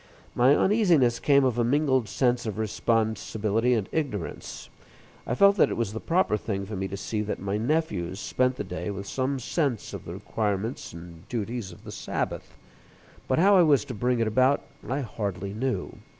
My uneasiness came of a mingled sense of responsibility and ignorance. I felt that it was the proper thing for me to see that my nephews spent the day with some sense of the requirements and duties of the Sabbath; but how I was to bring it about, I hardly knew.